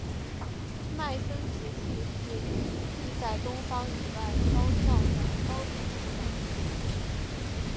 迈森瓷器是第一批在东方以外烧造的高品质的瓷器。